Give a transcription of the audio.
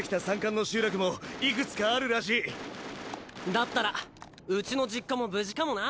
だったらうちの実家も無事かもな。